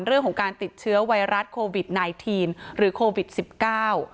เรื่องของการติดเชื้อไวรัสโควิดไนทีนหรือโควิดสิบเก้า